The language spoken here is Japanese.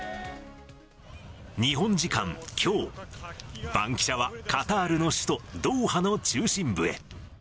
日本時間きょう、バンキシャはカタールの首都ドーハの中心部へ。